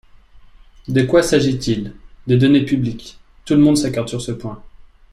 De quoi s’agit-il ? De données publiques – tout le monde s’accorde sur ce point.